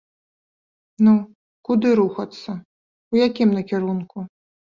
Ну, куды рухацца, у якім накірунку?